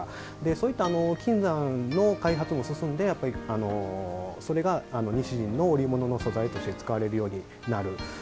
そういった金山の開発も進んでそれが西陣の織物の素材として使われるようになる。